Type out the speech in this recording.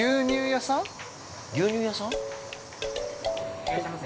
◆いらっしゃいませ。